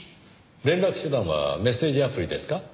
連絡手段はメッセージアプリですか？